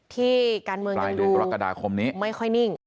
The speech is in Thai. ที่การเมืองยังรู้ไม่ค่อยนิ่ง